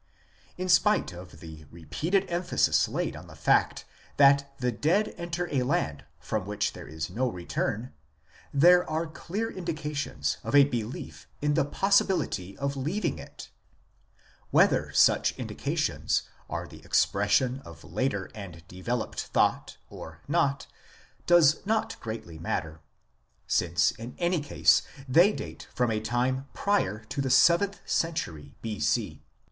In spite of the repeated emphasis laid on the fact that the dead enter a land from which there is no return, there are clear indications of a belief in the possibility of leaving it. Whether such indications are the expression of later and developed thought or not does not greatly matter, since in any case they date from a time prior to the seventh century B.C.